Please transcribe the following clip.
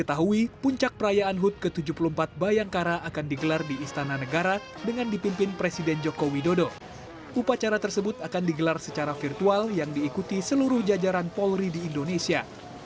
upacara tersebut akan digelar secara virtual yang diikuti seluruh jajaran polri di indonesia